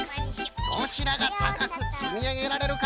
どちらがたかくつみあげられるか。